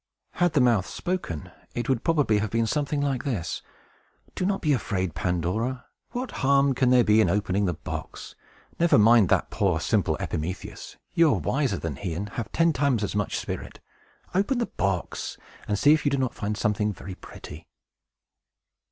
Had the mouth spoken, it would probably have been something like this: "Do not be afraid, Pandora! What harm can there be in opening the box? Never mind that poor, simple Epimetheus! You are wiser than he, and have ten times as much spirit. Open the box, and see if you do not find something very pretty!"